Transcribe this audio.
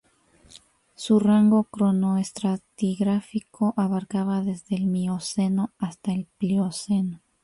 Su rango cronoestratigráfico abarcaba desde el Mioceno hasta el Plioceno.